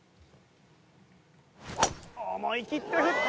思い切って振った！